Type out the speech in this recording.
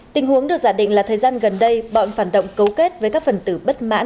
tình huống được giả định là thời gian gần đây bọn phản động cấu kết với các phần tử bất mãn